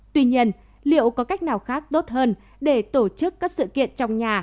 tuy nhiên liệu có cách nào khác tốt hơn để tổ chức các sự kiện trong nhà